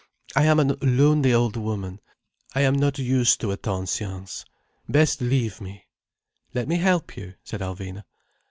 I am a lonely old woman. I am not used to attentions. Best leave me." "Let me help you," said Alvina.